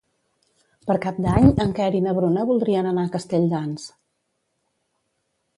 Per Cap d'Any en Quer i na Bruna voldrien anar a Castelldans.